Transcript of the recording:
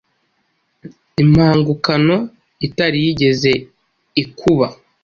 impangukano itari yigeze ikuba